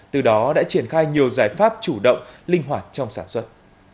từ đó đã triển khai nhiều giải pháp chủ động linh hoạt trong sản xuất